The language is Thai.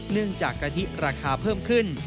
เนื่องจากกะทิราคาเพิ่มขึ้น